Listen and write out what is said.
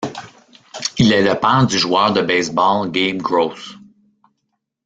Il est le père du joueur de baseball Gabe Gross.